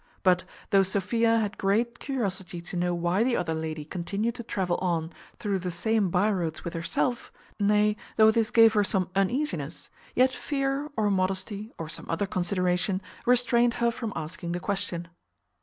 But, though Sophia had great curiosity to know why the other lady continued to travel on through the same bye roads with herself, nay, though this gave her some uneasiness, yet fear, or modesty, or some other consideration, restrained her from asking the question.